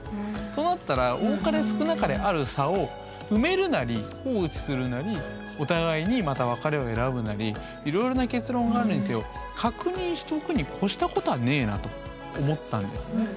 となったら多かれ少なかれある差を埋めるなり放置するなりお互いにまた別れを選ぶなりいろいろな結論があるにせよ確認しておくに越したことはねえなと思ったんですよね。